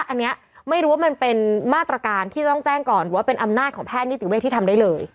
อันนี้ไม่รู้ว่ามันเป็นมาตรการที่จะต้องแจ้งก่อนหรือว่าเป็นอำนาจของแพทย์นิติเวทที่ทำได้เลย